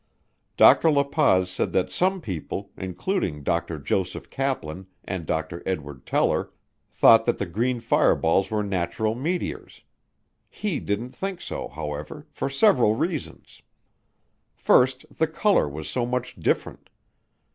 Dr. La Paz said that some people, including Dr. Joseph Kaplan and Dr. Edward Teller, thought that the green fireballs were natural meteors. He didn't think so, however, for several reasons. First the color was so much different.